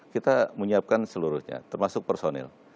kita menyiapkan seluruhnya termasuk personil